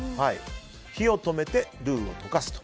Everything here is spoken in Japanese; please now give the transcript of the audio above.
火を止めてルーを溶かすと。